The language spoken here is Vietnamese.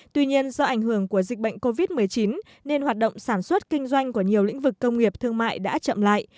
tuy nhiên do ảnh hưởng của dịch bệnh covid một mươi chín nên hoạt động sản xuất kinh doanh của nhiều lĩnh vực công nghiệp thương mại đã chậm lại